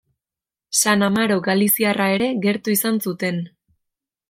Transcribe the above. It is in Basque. San Amaro galiziarra ere gertu izan zuten.